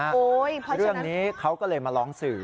โอ๊ยเพราะฉะนั้นเรื่องนี้เขาก็เลยมาร้องสื่อ